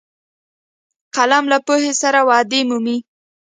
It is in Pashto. قلم له پوهې سره ودې مومي